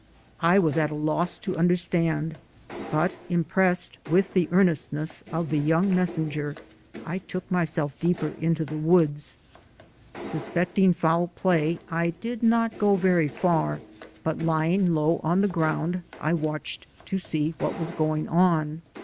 I was at a loss to understand, but impressed with the earnestness of the young messenger, I took myself deeper into the woods. Suspecting foul play, I did 126 THE SOUL OF AN IMMIGRANT not go very far, but lying low on the ground, I watched to see what was going on.